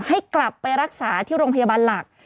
ให้กลับไปรักษาที่โรงพยาบาลหลัก